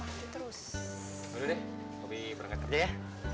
aduh deh lebih berangkat kerja ya